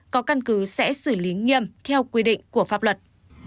có căn cứ sẽ xử lý nghiêm theo quy định của pháp luật